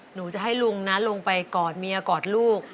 หนูจะให้ลุงนะลงไปกอดเมียกอดลูก